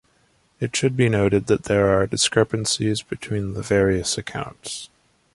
It should be noted that there are discrepancies between the various accounts.